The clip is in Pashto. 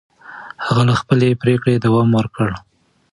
هغه له خپلې پرېکړې دوام ورکړ.